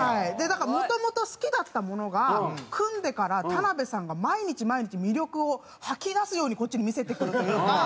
だからもともと好きだったものが組んでから田辺さんが毎日毎日魅力を吐き出すようにこっちに見せてくるというか。